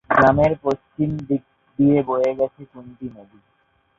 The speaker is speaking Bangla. গ্রামের পশ্চিম দিক দিয়ে বয়ে গেছে কুন্তী নদী।